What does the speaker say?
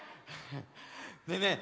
ねえねえ